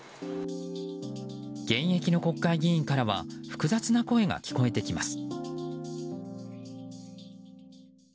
現役の国会議員からは複雑な声が聞こえてきます。